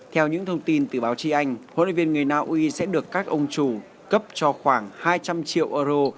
theo những thông tin từ báo chí anh hlv người naui sẽ được các ông chủ cấp cho khoảng hai trăm linh triệu euro